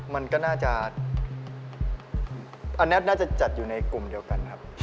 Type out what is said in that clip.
มันก็น่าจะอันนี้น่าจะจัดอยู่ในกลุ่มเดียวกันครับ